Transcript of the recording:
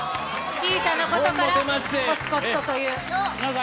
「小さなことからコツコツと」という。